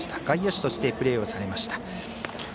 外野手としてプレーをされました。